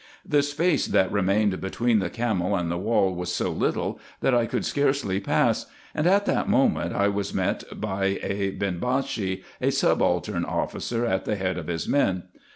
The space that remained between the camel and the wall was so little, that I could scarcely pass; and at that moment I was met by a Binbashi, a subaltern officer, at the head of his men.